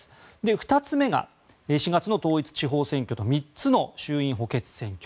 ２つ目が４月の統一地方選挙と３つの衆院補欠選挙。